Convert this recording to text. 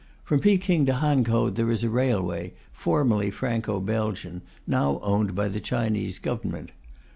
From Peking to Hankow there is a railway, formerly Franco Belgian, now owned by the Chinese Government.